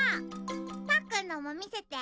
パックンのもみせて。